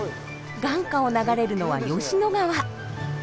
眼下を流れるのは吉野川。